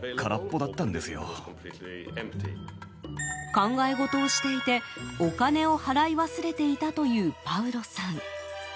考え事をしていてお金を払い忘れていたというパウロさん。